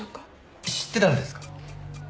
知ってたんですか？